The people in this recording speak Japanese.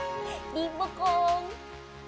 リモコン。